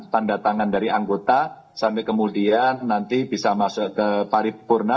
tanda tangan dari anggota sampai kemudian nanti bisa masuk ke paripurna